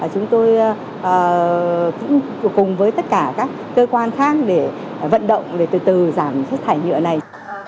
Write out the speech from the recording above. cũng cùng với tất cả các cơ quan khác để vận động để từ từ giảm thải nhựa này